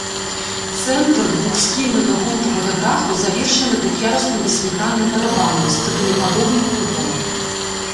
Цэнтр двухсхільнага гонтавага даху завершаны двух'ярусным васьмігранным барабанам з цыбулепадобным купалам.